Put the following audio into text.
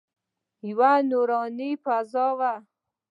یوه نوراني فضا وه.